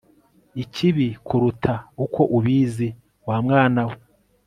ikibi kuruta uko ubizi wa mwana we